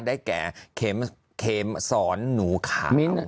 ได้แก่เคมสอนหนูขาว